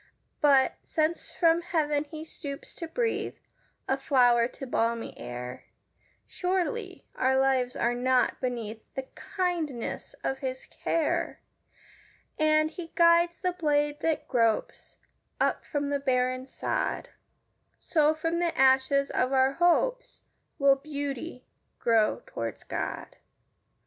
But, since from heaven he stoops to breathe A flower to balmy air, Surely our lives are not beneath The kindness of his care; And, as he guides the blade that gropes Up from the barren sod, So, from the ashes of our hopes, Will beauty grow toward God.